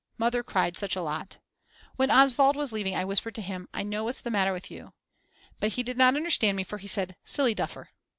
Mother cried such a lot. When Oswald was leaving I whispered to him: I know what's the matter with you. But he did not understand me for he said: Silly duffer.